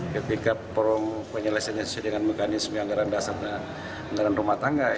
ketika forum penyelesaiannya sesuai dengan mekanisme anggaran dasar dan anggaran rumah tangga